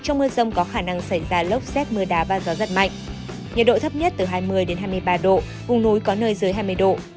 nhiệt độ thấp nhất từ hai mươi hai mươi ba độ hùng núi có nơi dưới hai mươi độ